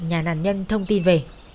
nhà nạn nhân thông tin về